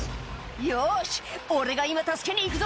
「よし俺が今助けに行くぞ！」